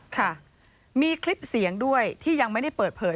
ค่ะมีคลิปเสียงด้วยที่ยังไม่ได้เปิดเผย